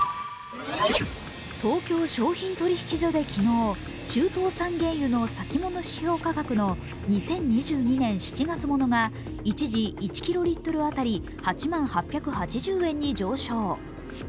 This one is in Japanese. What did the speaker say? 東京商品取引所で昨日、中東産原油の先物指標価格の２０２２年７月ものが一時、１キロリットル当たり８万８８０円に上昇。